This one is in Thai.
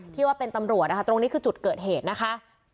ที่ว่าเป็นตำรวจนะคะตรงนี้คือจุดเกิดเหตุนะคะ